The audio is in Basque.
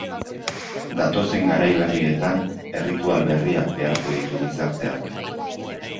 Datozen garai berrietan erritual berriak beharko ditu gizarteak.